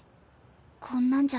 こんなんじゃ